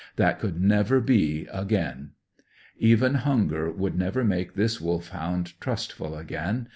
That could never be again. Even hunger would never make this Wolfhound trustful again.